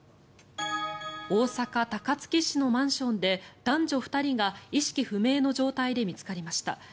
大阪・高槻市のマンションで男女２人が意識不明の状態で見つかりました。